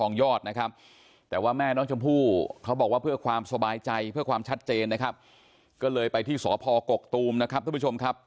นี่ฮะก็ฟังคำชี้แจงจากคนที่เขาไปเปิดรับบริจาคในชื่อของตัวเองนะครับ